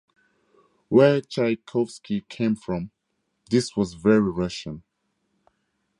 Where Tchaikovsky came from, this was very Russian.